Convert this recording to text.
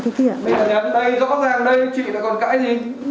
thì nhắn đây rõ ràng đây chị lại còn cãi gì